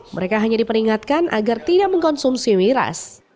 mereka hanya diperingatkan agar tidak mengkonsumsi miras